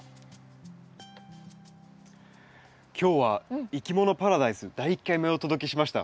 今日は「いきものパラダイス」第１回目をお届けしました。